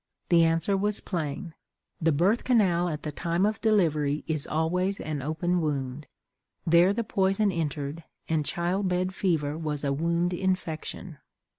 The answer was plain. The birth canal at the time of delivery is always an open wound. There the poison entered, and child bed fever was a wound infection!